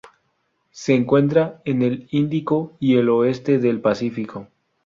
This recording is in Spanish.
Se encuentran en el Índico y al oeste del Pacífico.